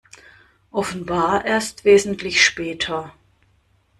Offenbar erst wesentlich später.